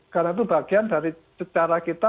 karena itu bagian dari cara kita